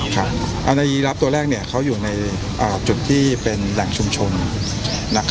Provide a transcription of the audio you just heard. ในยีรับตัวแรกเขาอยู่ในจุดที่เป็นแหล่งชุมชน